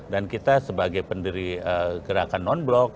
dan kita sebagai pendiri gerakan non block